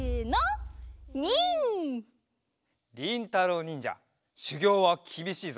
りんたろうにんじゃしゅぎょうはきびしいぞ。